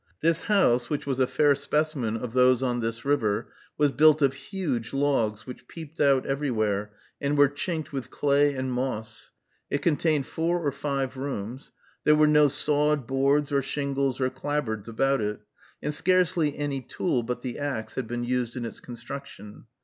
This house, which was a fair specimen of those on this river, was built of huge logs, which peeped out everywhere, and were chinked with clay and moss. It contained four or five rooms. There were no sawed boards, or shingles, or clapboards, about it; and scarcely any tool but the axe had been used in its construction.